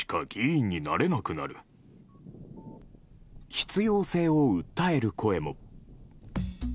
必要性を訴える声も。